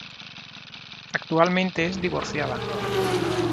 Actualmente es divorciada.